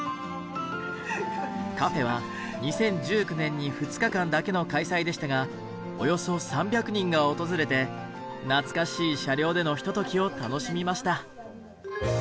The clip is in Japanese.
カフェは２０１９年に２日間だけの開催でしたがおよそ３００人が訪れて懐かしい車両でのひとときを楽しみました。